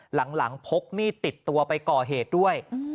หลังพกมีดติดตัวไปก่อเหตุด้วย